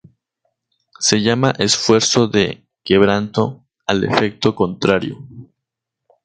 Se llama esfuerzo de quebranto al efecto contrario.